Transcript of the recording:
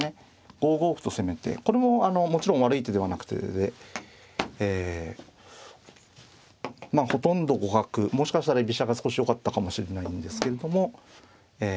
５五歩と攻めてこれももちろん悪い手ではなくてええまあほとんど互角もしかしたら居飛車が少しよかったかもしれないんですけれどもええ